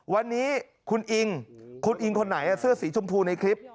วันนี้คุณอิงคุณอิงคนไหนเสื้อสีชมพูในคลิป